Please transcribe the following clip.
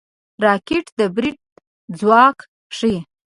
راکټ د برید ځواک ښيي